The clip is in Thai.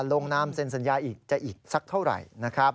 ลงนามเซ็นสัญญาอีกจะอีกสักเท่าไหร่นะครับ